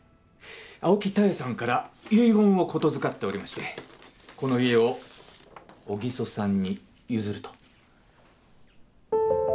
青木たえさんから遺言を言づかっておりましてこの家を小木曽さんに譲ると。